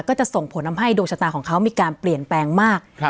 ก็จะส่งผลทำให้ดวงชะตาของเขามีการเปลี่ยนแปลงมาก